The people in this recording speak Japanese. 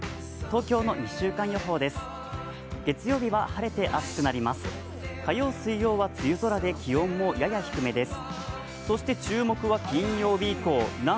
東京の１週間予報です。